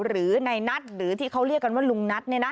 หรือในนัทหรือที่เขาเรียกกันว่าลุงนัท